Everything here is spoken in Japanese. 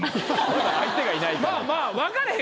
相手がいないから。